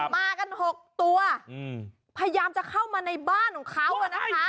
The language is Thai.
มากัน๖ตัวพยายามจะเข้ามาในบ้านของเขานะคะ